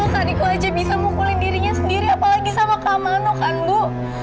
kalau kak riko aja bisa mukulin dirinya sendiri apalagi sama kak mano kan ibu